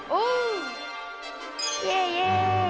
イエイイエイ！